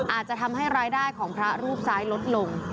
อาจจะทำให้รายได้ของพระรูปซ้ายลดลง